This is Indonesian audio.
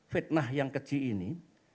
fitnah yang kecil ini